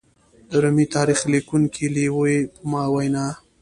د رومي تاریخ لیکونکي لېوي په وینا